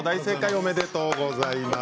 おめでとうございます。